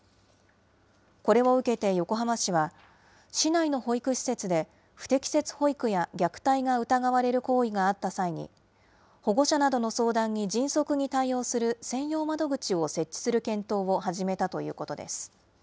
これを受けて横浜市は、市内の保育施設で不適切保育や虐待が疑われる行為があった際に、保護者などの相談に迅速に対応する専用窓口を設置する検討を始めたということです。